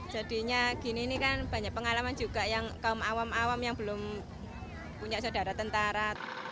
jadinya gini ini kan banyak pengalaman juga yang kaum awam awam yang belum punya saudara tentara